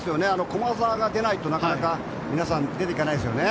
駒澤が出ないとなかなか皆さん出て行きませんよね。